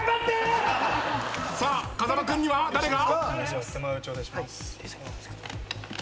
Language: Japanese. さあ風間君には誰が！？